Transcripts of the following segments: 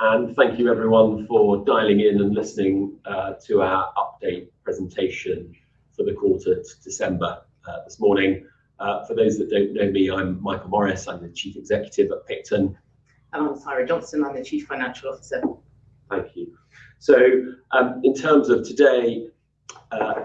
Morning, and thank you everyone for dialing in and listening to our update presentation for the quarter to December this morning. For those that don't know me, I'm Michael Morris. I'm the Chief Executive at Picton. I'm Saira Johnston. I'm the Chief Financial Officer. Thank you. So, in terms of today,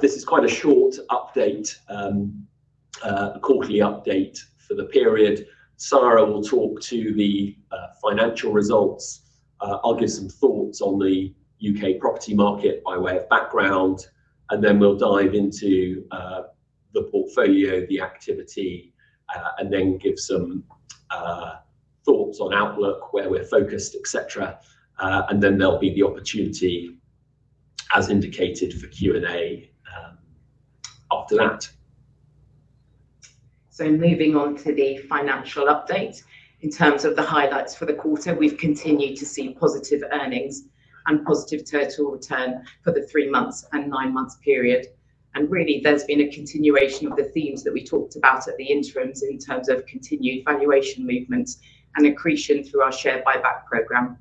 this is quite a short update, a quarterly update for the period. Saira will talk to the financial results. I'll give some thoughts on the U.K. property market by way of background, and then we'll dive into the portfolio, the activity, and then give some thoughts on outlook, where we're focused, et cetera. And then there'll be the opportunity, as indicated, for Q&A, after that. So moving on to the financial update. In terms of the highlights for the quarter, we've continued to see positive earnings and positive total return for the three months and nine months period. And really, there's been a continuation of the themes that we talked about at the interims in terms of continued valuation movements and accretion through our share buyback program.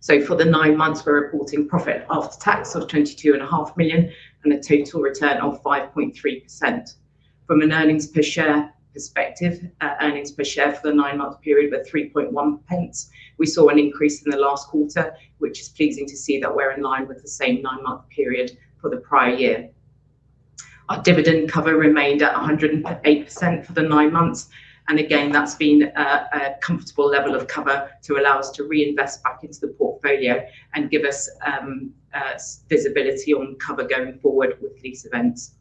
So for the nine months, we're reporting profit after tax of 22.5 million, and a total return of 5.3%. From an earnings per share perspective, earnings per share for the nine-month period were 0.031. We saw an increase in the last quarter, which is pleasing to see that we're in line with the same nine-month period for the prior year. Our dividend cover remained at 108% for the nine months, and again, that's been a comfortable level of cover to allow us to reinvest back into the portfolio and give us visibility on cover going forward with these events.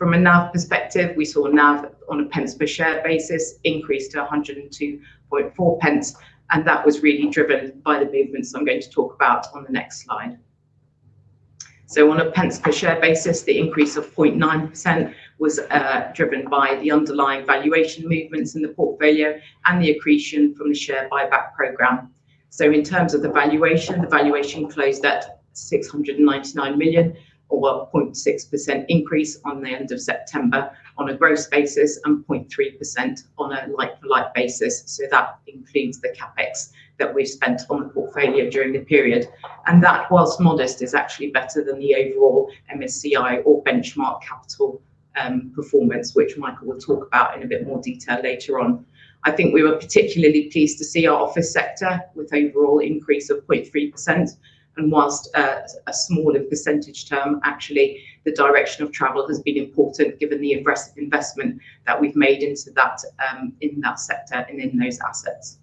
From a NAV perspective, we saw NAV on a per share basis increase to 1.024, and that was really driven by the movements I'm going to talk about on the next slide. On a per share basis, the increase of 0.9% was driven by the underlying valuation movements in the portfolio and the accretion from the share buyback program. In terms of the valuation, the valuation closed at 699 million, or 0.6% increase on the end of September on a gross basis, and 0.3% on a like-for-like basis. That includes the CapEx that we've spent on the portfolio during the period. And that, whilst modest, is actually better than the overall MSCI or benchmark capital performance, which Michael will talk about in a bit more detail later on. I think we were particularly pleased to see our office sector with overall increase of 0.3%, and whilst a small in percentage term, actually, the direction of travel has been important, given the aggressive investment that we've made into that in that sector and in those assets.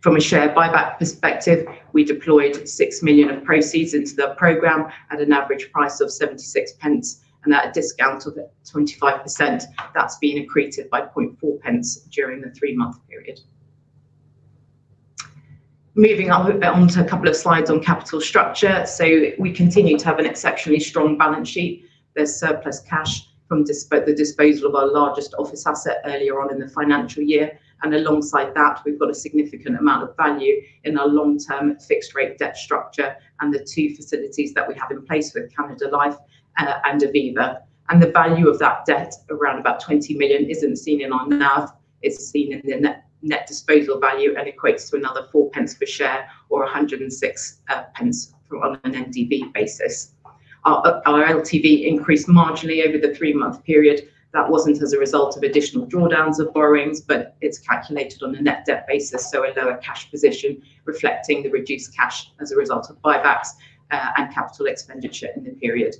From a share buyback perspective, we deployed 6 million of proceeds into the program at an average price of 0.76, and at a discount of 25%. That's been accreted by 0.004 during the three-month period. Moving on to a couple of slides on capital structure. We continue to have an exceptionally strong balance sheet. There's surplus cash from the disposal of our largest office asset earlier on in the financial year, and alongside that, we've got a significant amount of value in our long-term fixed rate debt structure and the two facilities that we have in place with Canada Life and Aviva. And the value of that debt, around about 20 million, isn't seen in our NAV. It's seen in the net net disposal value and equates to another 0.004 per share or 1.06 on an NDV basis. Our LTV increased marginally over the three-month period. That wasn't as a result of additional drawdowns of borrowings, but it's calculated on a net debt basis, so a lower cash position, reflecting the reduced cash as a result of buybacks and capital expenditure in the period.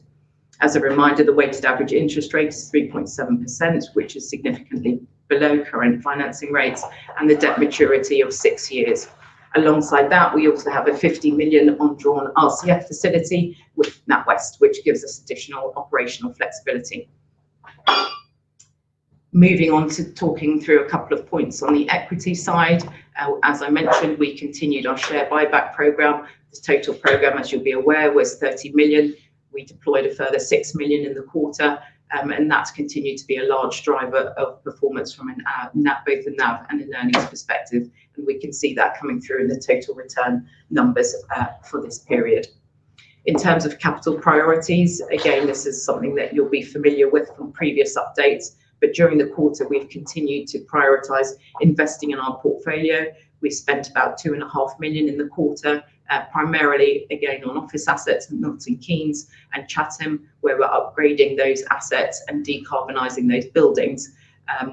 As a reminder, the weighted average interest rate is 3.7%, which is significantly below current financing rates and the debt maturity of six years. Alongside that, we also have a 50 million undrawn RCF facility with NatWest, which gives us additional operational flexibility. Moving on to talking through a couple of points. On the equity side, as I mentioned, we continued our share buyback program. The total program, as you'll be aware, was 30 million. We deployed a further 6 million in the quarter, and that's continued to be a large driver of performance from an NAV, both a NAV and an earnings perspective, and we can see that coming through in the total return numbers for this period. In terms of capital priorities, again, this is something that you'll be familiar with from previous updates, but during the quarter, we've continued to prioritize investing in our portfolio. We spent about 2.5 million in the quarter, primarily, again, on office assets in Milton Keynes and Chatham, where we're upgrading those assets and decarbonizing those buildings,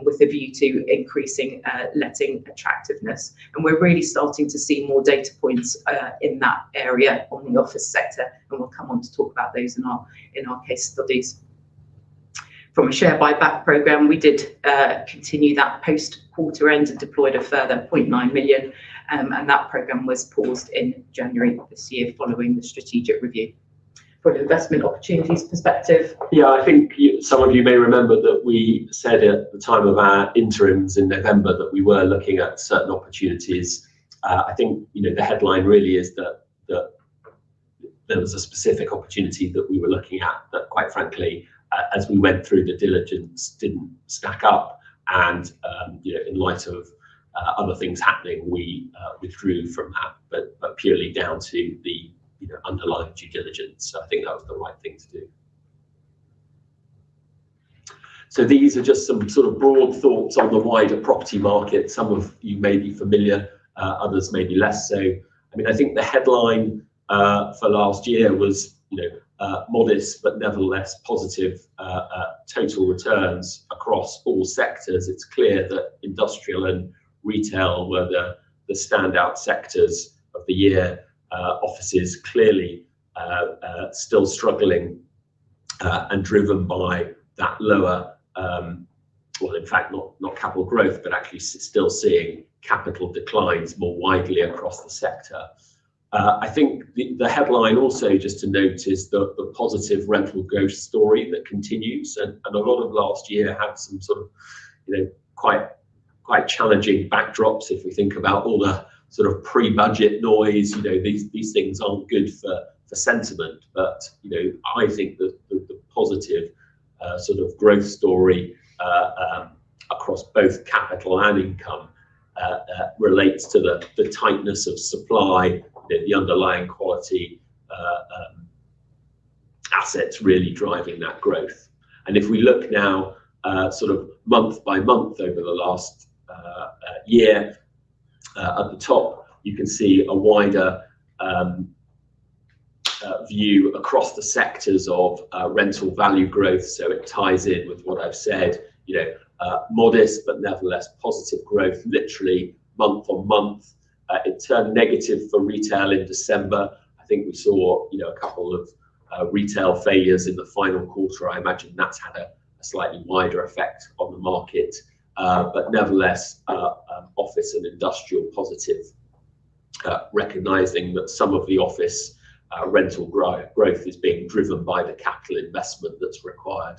with a view to increasing letting attractiveness. We're really starting to see more data points in that area on the office sector, and we'll come on to talk about those in our case studies. From a share buyback program, we did continue that post-quarter end and deployed a further 0.9 million, and that program was paused in January of this year following the strategic review. From an investment opportunities perspective. Yeah, I think you, some of you may remember that we said at the time of our interims in November, that we were looking at certain opportunities. I think, you know, the headline really is that there was a specific opportunity that we were looking at, that, quite frankly, as we went through, the diligence didn't stack up, and, you know, in light of other things happening, we withdrew from that, but purely down to the, you know, underlying due diligence. I think that was the right thing to do. So these are just some sort of broad thoughts on the wider property market. Some of you may be familiar, others may be less so. I mean, I think the headline for last year was, you know, modest, but nevertheless positive total returns across all sectors. It's clear that industrial and retail were the standout sectors of the year. Offices clearly still struggling, and driven by that lower, well, in fact, not capital growth, but actually still seeing capital declines more widely across the sector. I think the headline also, just to note, is the positive rental growth story that continues. And a lot of last year had some sort of, you know, quite challenging backdrops. If we think about all the sort of pre-Budget noise, you know, these things aren't good for sentiment. But, you know, I think the positive sort of growth story across both capital and income relates to the tightness of supply, the underlying quality assets really driving that growth. If we look now, sort of month by month over the last year, at the top, you can see a wider view across the sectors of rental value growth. So it ties in with what I've said, you know, modest, but nevertheless positive growth, literally month-on-month. It turned negative for retail in December. I think we saw, you know, a couple of retail failures in the final quarter. I imagine that's had a slightly wider effect on the market, but nevertheless, office and industrial positive. Recognizing that some of the office rental growth is being driven by the capital investment that's required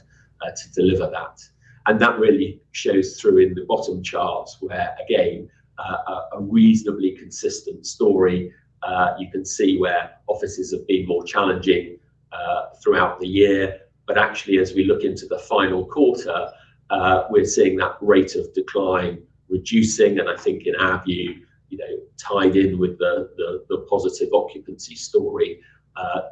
to deliver that. And that really shows through in the bottom charts, where, again, a reasonably consistent story. You can see where offices have been more challenging throughout the year. But actually, as we look into the final quarter, we're seeing that rate of decline reducing, and I think in our view, you know, tied in with the positive occupancy story.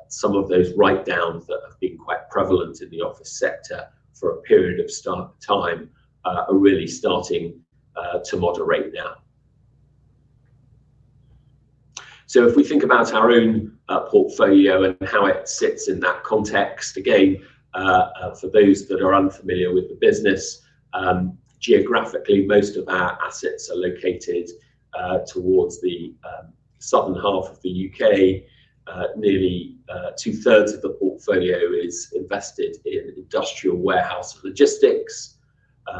Some of those write-downs that have been quite prevalent in the office sector for a period of time are really starting to moderate now. So if we think about our own portfolio and how it sits in that context, again, for those that are unfamiliar with the business, geographically, most of our assets are located towards the southern half of the U.K. Nearly 2/3 of the portfolio is invested in industrial warehouse logistics,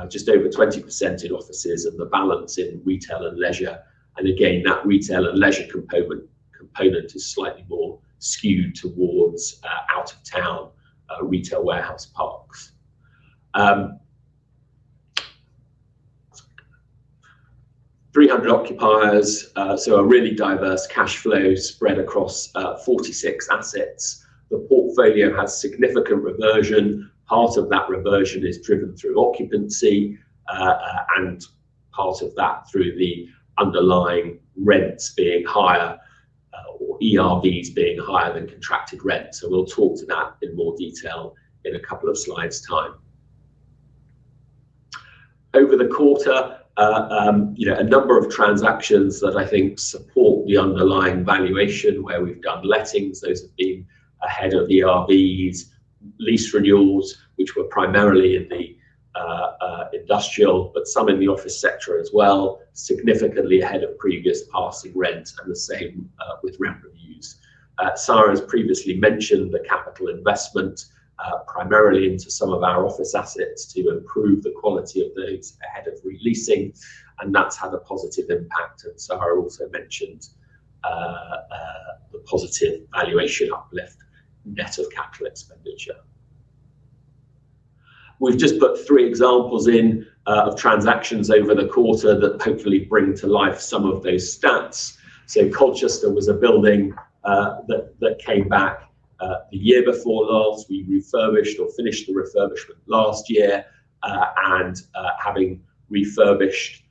just over 20% in offices and the balance in retail and leisure. Again, that retail and leisure component is slightly more skewed towards out-of-town retail warehouse parks. 300 occupiers, so a really diverse cash flow spread across 46 assets. The portfolio has significant reversion. Part of that reversion is driven through occupancy, and part of that through the underlying rents being higher or ERVs being higher than contracted rent. So we'll talk to that in more detail in a couple of slides' time. Over the quarter, you know, a number of transactions that I think support the underlying valuation where we've done lettings, those have been ahead of ERVs, lease renewals, which were primarily in the industrial, but some in the office sector as well, significantly ahead of previous passing rent, and the same with rent reviews. Saira has previously mentioned the capital investment primarily into some of our office assets to improve the quality of those ahead of re-leasing, and that's had a positive impact. And Saira also mentioned the positive valuation uplift net of capital expenditure. We've just put three examples in of transactions over the quarter that hopefully bring to life some of those stats. So Colchester was a building that came back the year before last. We refurbished or finished the refurbishment last year and having refurbished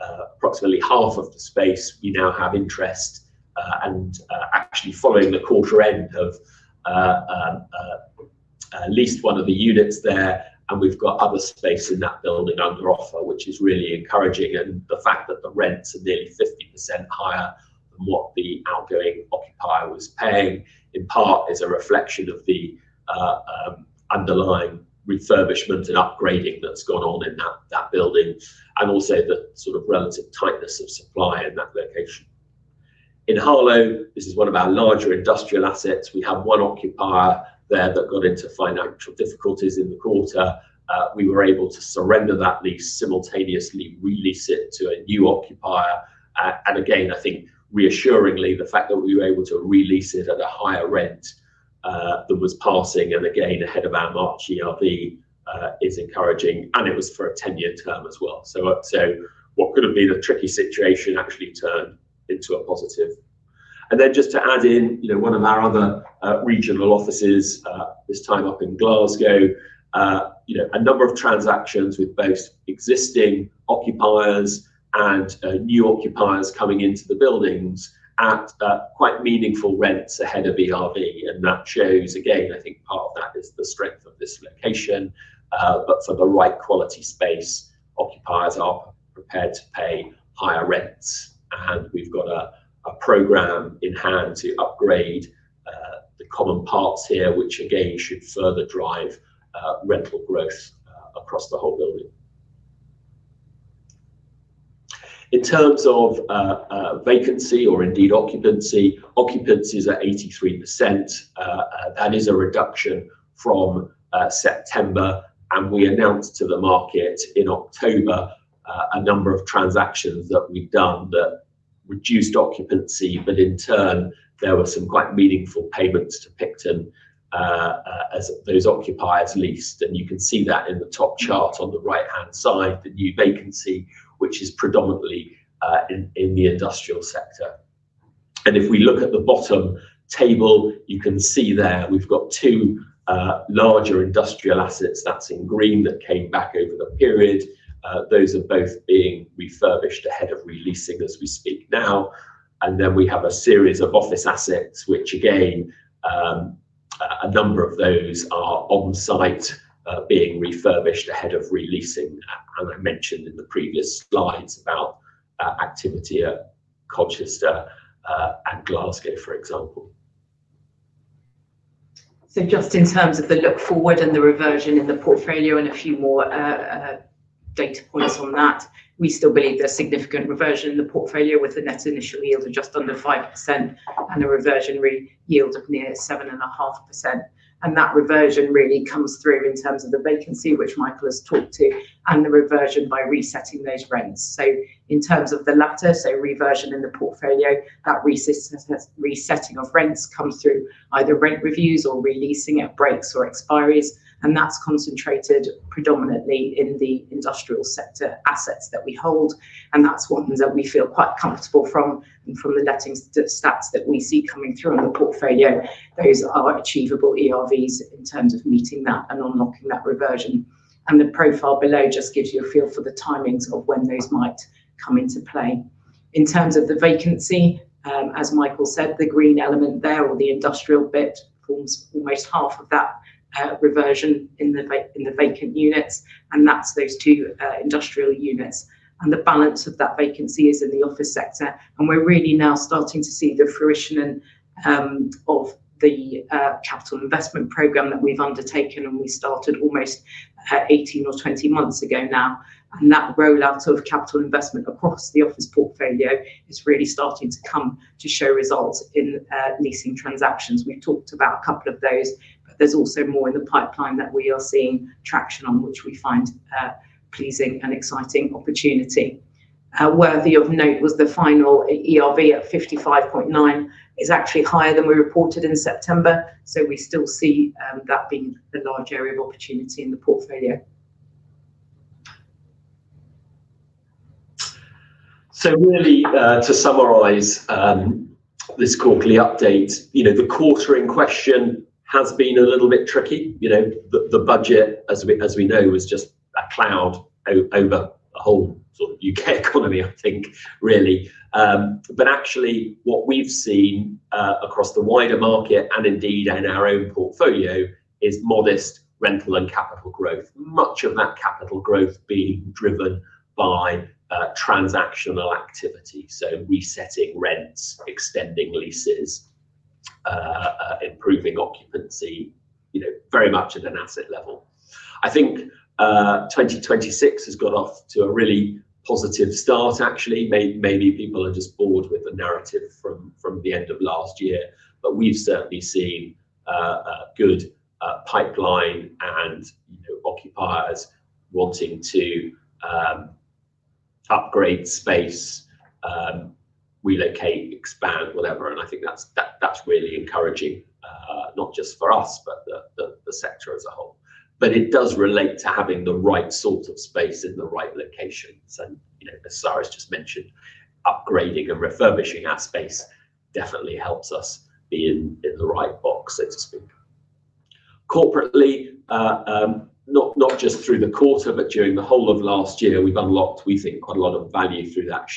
approximately half of the space, we now have interest and actually following the quarter end leased one of the units there, and we've got other space in that building under offer, which is really encouraging. And the fact that the rents are nearly 50% higher than what the outgoing occupier was paying, in part, is a reflection of the underlying refurbishment and upgrading that's gone on in that, that building, and also the sort of relative tightness of supply in that location. In Harlow, this is one of our larger industrial assets. We had one occupier there that got into financial difficulties in the quarter. We were able to surrender that lease, simultaneously re-lease it to a new occupier. And again, I think reassuringly, the fact that we were able to re-lease it at a higher rent than was passing, and again, ahead of our March ERV, is encouraging, and it was for a 10-year term as well. So, so what could have been a tricky situation actually turned into a positive. And then just to add in, you know, one of our other, regional offices, this time up in Glasgow, you know, a number of transactions with both existing occupiers and, new occupiers coming into the buildings at, quite meaningful rents ahead of ERV. And that shows, again, I think part of that is the strength of this location, but for the right quality space, occupiers are prepared to pay higher rents. And we've got a program in hand to upgrade, the common parts here, which again, should further drive, rental growth, across the whole building. In terms of, vacancy or indeed occupancy, occupancy is at 83%. That is a reduction from September, and we announced to the market in October a number of transactions that we've done that reduced occupancy, but in turn, there were some quite meaningful payments to Picton as those occupiers leased. And you can see that in the top chart on the right-hand side, the new vacancy, which is predominantly in the industrial sector. And if we look at the bottom table, you can see there we've got two larger industrial assets that's in green that came back over the period. Those are both being refurbished ahead of re-leasing as we speak now. And then we have a series of office assets, which again, a number of those are on site, being refurbished ahead of re-leasing, as I mentioned in the previous slides about activity at Colchester and Glasgow, for example. So just in terms of the look forward and the reversion in the portfolio and a few more data points on that, we still believe there's significant reversion in the portfolio with the net initial yield of just under 5% and a reversion yield of near 7.5%. And that reversion really comes through in terms of the vacancy, which Michael has talked to, and the reversion by resetting those rents. So in terms of the latter, so reversion in the portfolio, that resetting of rents comes through either rent reviews or releasing at breaks or expiries, and that's concentrated predominantly in the industrial sector assets that we hold, and that's one that we feel quite comfortable from. From the lettings stats that we see coming through on the portfolio, those are achievable ERVs in terms of meeting that and unlocking that reversion. The profile below just gives you a feel for the timings of when those might come into play. In terms of the vacancy, as Michael said, the green element there, or the industrial bit, forms almost half of that reversion in the vacant units, and that's those two industrial units. The balance of that vacancy is in the office sector. We're really now starting to see the fruition of the capital investment program that we've undertaken, and we started almost 18 or 20 months ago now. That rollout of capital investment across the office portfolio is really starting to come to show results in leasing transactions. We've talked about a couple of those, but there's also more in the pipeline that we are seeing traction on, which we find pleasing and exciting opportunity. Worthy of note was the final ERV at 55.9. It's actually higher than we reported in September, so we still see that being a large area of opportunity in the portfolio. So really, to summarize, this quarterly update, you know, the quarter in question has been a little bit tricky. You know, the budget, as we know, is just a cloud over the whole sort of U.K. economy, I think, really. But actually, what we've seen across the wider market and indeed in our own portfolio, is modest rental and capital growth, much of that capital growth being driven by transactional activity. So resetting rents, extending leases, improving occupancy, you know, very much at an asset level. I think, 2026 has got off to a really positive start, actually. Maybe people are just bored with the narrative from the end of last year, but we've certainly seen a good pipeline and, you know, occupiers wanting to upgrade space, relocate, expand, whatever. I think that's really encouraging, not just for us, but the sector as a whole. But it does relate to having the right sort of space in the right locations. You know, as Saira has just mentioned, upgrading and refurbishing our space definitely helps us be in the right box, so to speak. Corporately, not just through the quarter, but during the whole of last year, we've unlocked, we think, quite a lot of value through that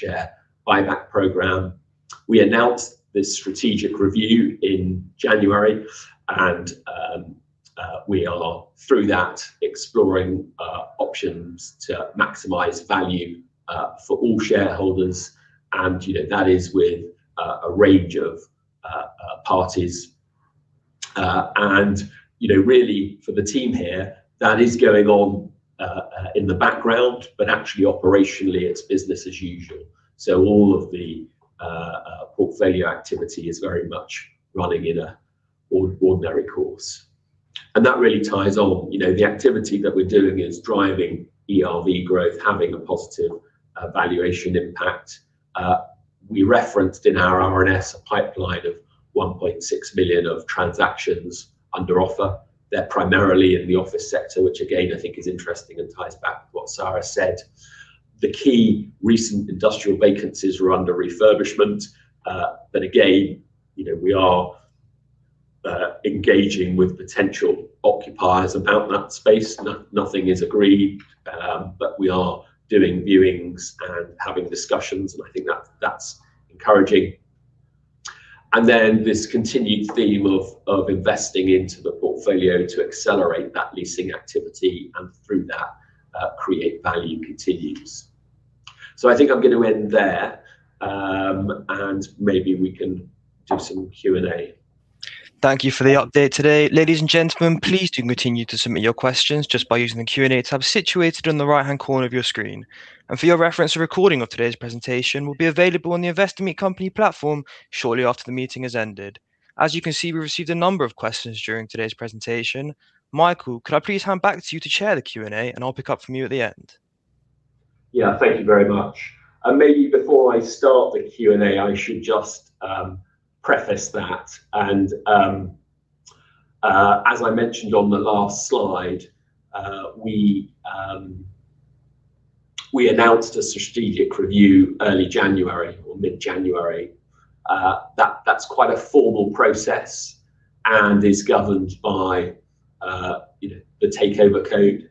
share buyback program. We announced this strategic review in January, and we are through that exploring options to maximize value for all shareholders. You know, that is with a range of parties. And you know, really for the team here, that is going on in the background, but actually operationally, it's business as usual. So all of the portfolio activity is very much running in an ordinary course. And that really ties on, you know, the activity that we're doing is driving ERV growth, having a positive valuation impact. We referenced in our RNS a pipeline of 1.6 million of transactions under offer. They're primarily in the office sector, which again, I think is interesting and ties back to what Sara said. The key recent industrial vacancies are under refurbishment, but again, you know, we are engaging with potential occupiers about that space. Nothing is agreed, but we are doing viewings and having discussions, and I think that's encouraging. And then this continued theme of, of investing into the portfolio to accelerate that leasing activity, and through that, create value continues. So I think I'm gonna end there, and maybe we can do some Q&A. Thank you for the update today. Ladies and gentlemen, please do continue to submit your questions just by using the Q&A tab situated in the right-hand corner of your screen. And for your reference, a recording of today's presentation will be available on the Investor Meet Company platform shortly after the meeting has ended. As you can see, we've received a number of questions during today's presentation. Michael, could I please hand back to you to chair the Q&A, and I'll pick up from you at the end? Yeah, thank you very much. And maybe before I start the Q&A, I should just preface that. And as I mentioned on the last slide, we announced a strategic review early January or mid-January. That that's quite a formal process and is governed by you know, the Takeover Code,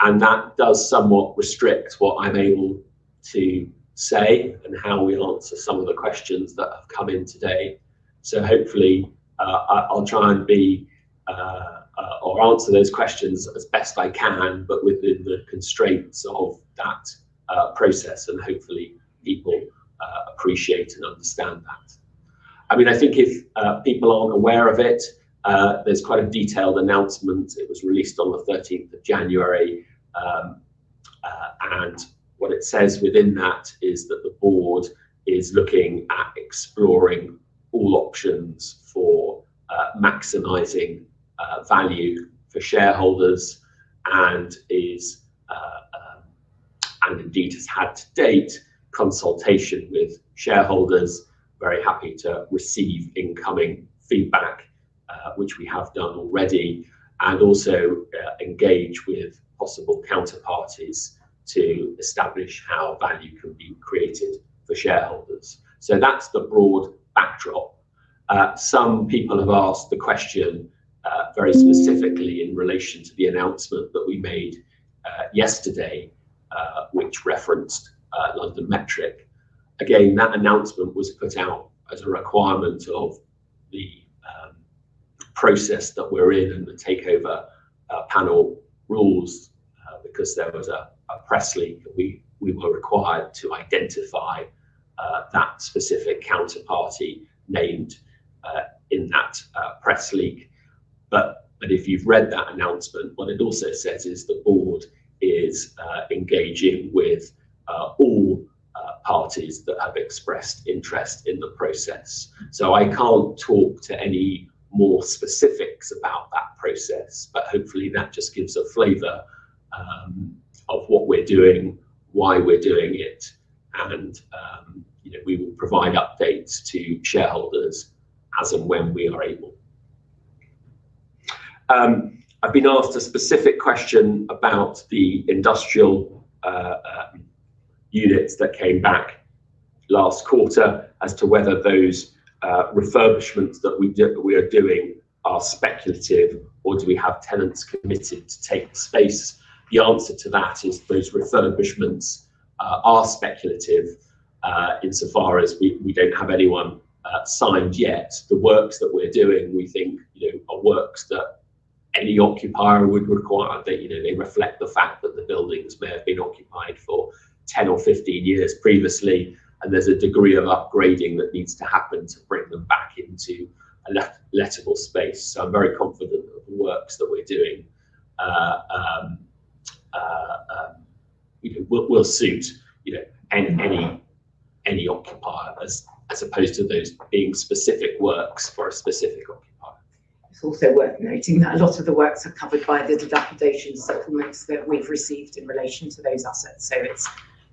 and that does somewhat restrict what I'm able to say and how we'll answer some of the questions that have come in today. So hopefully, I'll try and be or answer those questions as best I can, but within the constraints of that process, and hopefully people appreciate and understand that. I mean, I think if people aren't aware of it, there's quite a detailed announcement. It was released on the thirteenth of January. And what it says within that is that the board is looking at exploring all options for maximizing value for shareholders, and is, and indeed, has had to date consultation with shareholders. Very happy to receive incoming feedback, which we have done already, and also engage with possible counterparties to establish how value can be created for shareholders. So that's the broad backdrop. Some people have asked the question very specifically in relation to the announcement that we made yesterday, which referenced LondonMetric. Again, that announcement was put out as a requirement of the process that we're in and the Takeover Panel rules because there was a press leak that we were required to identify that specific counterparty named in that press leak. But if you've read that announcement, what it also says is the board is engaging with all parties that have expressed interest in the process. So I can't talk to any more specifics about that process, but hopefully, that just gives a flavor of what we're doing, why we're doing it, and you know, we will provide updates to shareholders as and when we are able. I've been asked a specific question about the industrial units that came back last quarter as to whether those refurbishments that we did, we are doing are speculative or do we have tenants committed to take the space? The answer to that is those refurbishments are speculative, insofar as we don't have anyone signed yet. The works that we're doing, we think, you know, are works that any occupier would require. They, you know, they reflect the fact that the buildings may have been occupied for 10 or 15 years previously, and there's a degree of upgrading that needs to happen to bring them back into a lettable space. So I'm very confident the works that we're doing, you know, will suit, you know, any, any, any occupier, as opposed to those being specific works for a specific occupier. It's also worth noting that a lot of the works are covered by the dilapidations settlements that we've received in relation to those assets.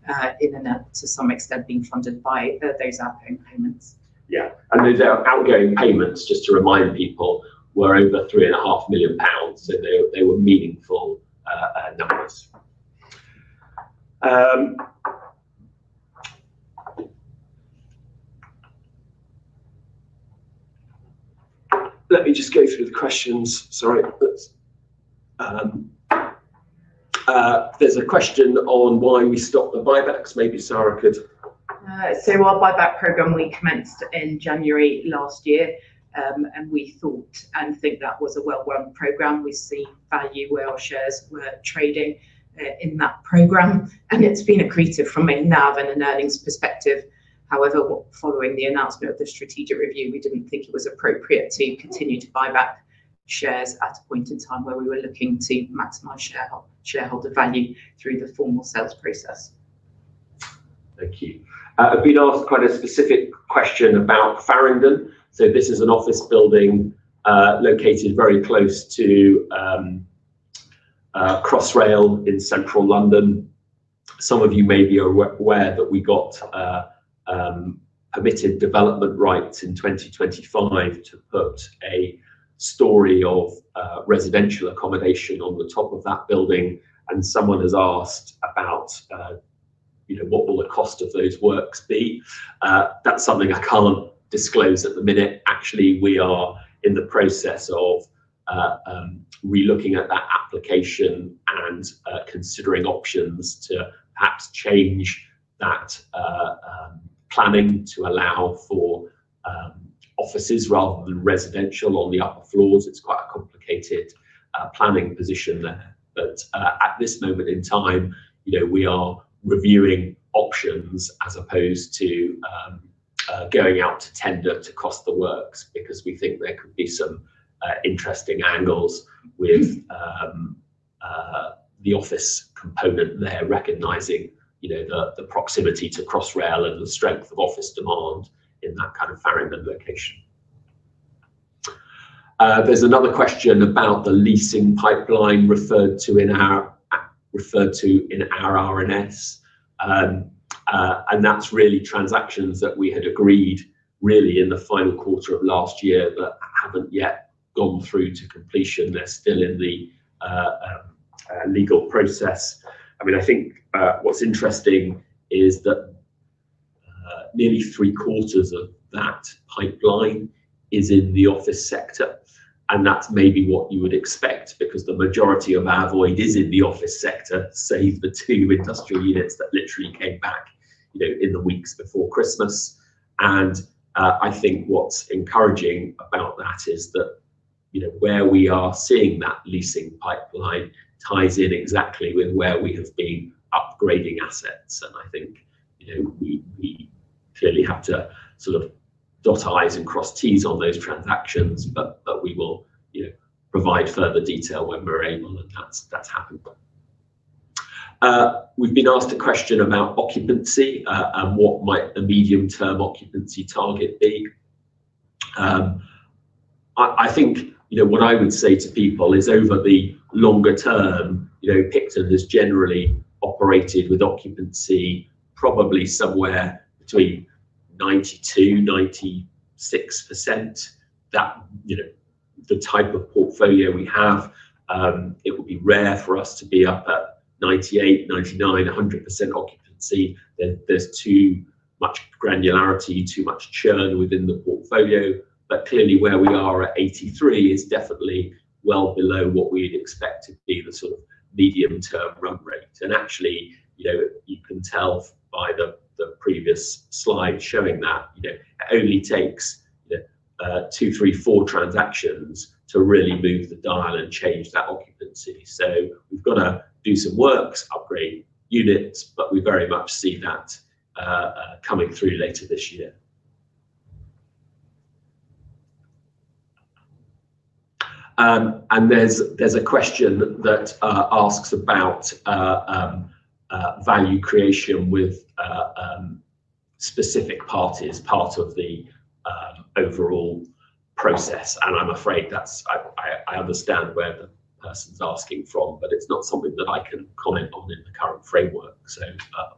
So it's, in a nutshell, to some extent, being funded by those outgoing payments. Yeah, and those outgoing payments, just to remind people, were over 3.5 million pounds, so they, they were meaningful numbers. Let me just go through the questions. Sorry, but there's a question on why we stopped the buybacks. Maybe Saira could. So our buyback program we commenced in January last year, and we thought and think that was a well-run program. We see value where our shares were trading, in that program, and it's been accretive from a NAV and an earnings perspective. However, following the announcement of the strategic review, we didn't think it was appropriate to continue to buy back shares at a point in time where we were looking to maximize shareholder, shareholder value through the formal sales process. Thank you. I've been asked quite a specific question about Farringdon. So this is an office building located very close to Crossrail in central London. Some of you maybe are aware that we got permitted development rights in 2025 to put a storey of residential accommodation on the top of that building, and someone has asked about, you know, what will the cost of those works be? That's something I can't disclose at the minute. Actually, we are in the process of relooking at that application and considering options to perhaps change that planning to allow for offices rather than residential on the upper floors. It's quite a complicated planning position there. But, at this moment in time, you know, we are reviewing options as opposed to going out to tender to cost the works, because we think there could be some interesting angles with the office component there, recognizing, you know, the proximity to Crossrail and the strength of office demand in that kind of Farringdon location. There's another question about the leasing pipeline referred to in our RNS. And that's really transactions that we had agreed really in the final quarter of last year that haven't yet gone through to completion. They're still in the legal process. I mean, I think, what's interesting is that nearly three-quarters of that pipeline is in the office sector, and that's maybe what you would expect, because the majority of our void is in the office sector, save the two industrial units that literally came back, you know, in the weeks before Christmas. And I think what's encouraging about that is that, you know, where we are seeing that leasing pipeline ties in exactly with where we have been upgrading assets. And I think, you know, we clearly have to sort of dot i's and cross t's on those transactions, but we will, you know, provide further detail when we're able, and that's happened. We've been asked a question about occupancy, and what might the medium-term occupancy target be. I think, you know, what I would say to people is over the longer term, you know, Picton has generally operated with occupancy probably somewhere between 92%-96%. That, you know, the type of portfolio we have, it would be rare for us to be up at 98%, 99%, 100% occupancy. There's too much granularity, too much churn within the portfolio. But clearly, where we are at 83% is definitely well below what we'd expect to be the sort of medium-term run rate. And actually, you know, you can tell by the previous slide showing that, you know, it only takes two, three, four transactions to really move the dial and change that occupancy. So we've got to do some works, upgrade units, but we very much see that coming through later this year. And there's a question that asks about value creation with specific parties, part of the overall process, and I'm afraid that's. I understand where the person's asking from, but it's not something that I can comment on in the current framework, so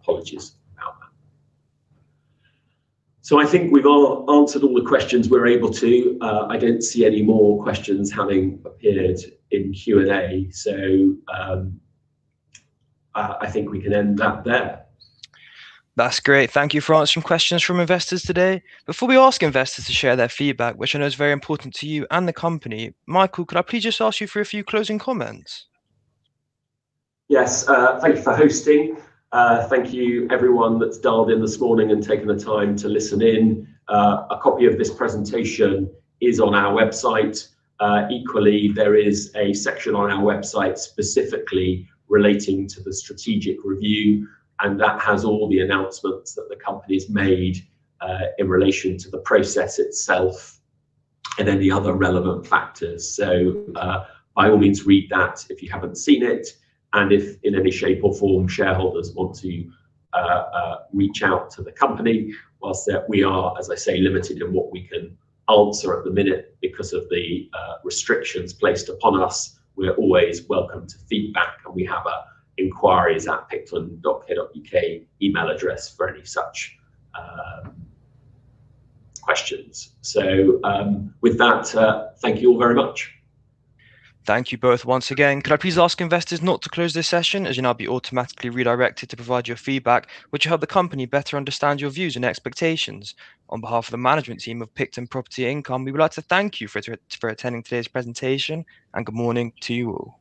apologies about that. I think we've all answered all the questions we're able to. I don't see any more questions having appeared in Q&A, so I think we can end that there. That's great. Thank you for answering questions from investors today. Before we ask investors to share their feedback, which I know is very important to you and the company, Michael, could I please just ask you for a few closing comments? Yes. Thank you for hosting. Thank you everyone that's dialed in this morning and taken the time to listen in. A copy of this presentation is on our website. Equally, there is a section on our website specifically relating to the strategic review, and that has all the announcements that the company's made, in relation to the process itself and any other relevant factors. So, by all means, read that if you haven't seen it. And if in any shape or form, shareholders want to reach out to the company, whilst we are, as I say, limited in what we can answer at the minute because of the restrictions placed upon us, we're always welcome to feedback, and we have a enquiries@picton.co.uk email address for any such questions. So, with that, thank you all very much. Thank you both once again. Could I please ask investors not to close this session, as you'll now be automatically redirected to provide your feedback, which will help the company better understand your views and expectations. On behalf of the management team of Picton Property Income, we would like to thank you for attending today's presentation, and good morning to you all.